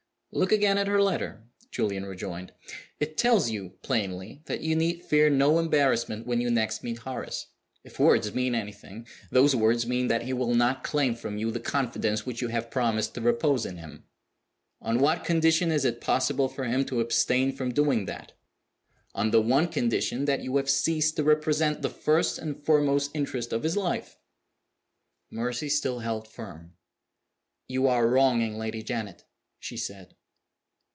"Look again at her letter," Julian rejoined. "It tells, you plainly that you need fear no embarrassment when you next meet Horace. If words mean anything, those words mean that he will not claim from you the confidence which you have promised to repose in him. On what condition is it possible for him to abstain from doing that? On the one condition that you have ceased to represent the first and foremost interest of his life." Mercy still held firm. "You are wronging Lady Janet," she said.